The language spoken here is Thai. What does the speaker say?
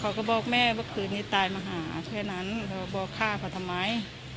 เขาก็บอกแม่ว่าคืนนี้ตายมาหาแค่นั้นบอกฆ่าพระธรรมัย